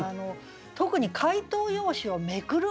特に「解答用紙を捲る」。